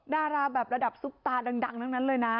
ดาราแบบระดับซุปตาดังทั้งนั้นเลยนะ